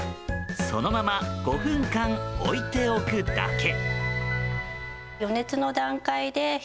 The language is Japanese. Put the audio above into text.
そのまま５分間置いておくだけ。